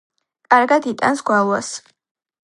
კარგად იტანს გვალვას.